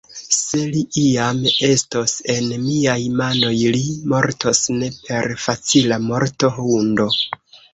Se li iam estos en miaj manoj, li mortos ne per facila morto, hundo!